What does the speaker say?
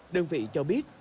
đơn vị cho biết